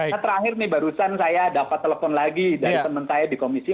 nah terakhir nih barusan saya dapat telepon lagi dari teman saya di komisi